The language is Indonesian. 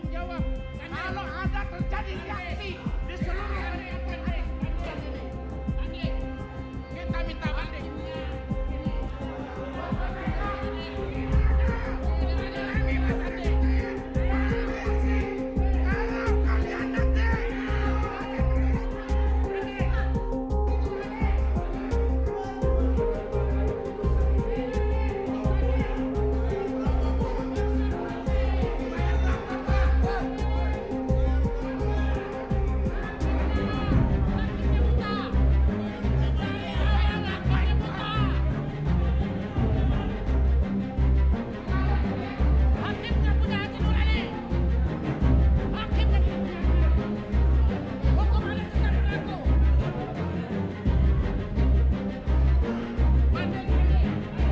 tangan tanggung jawab kalau ada terjadi kriaksi di seluruh kondisi kita minta banding